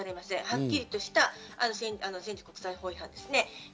はっきりとした国際法違反です。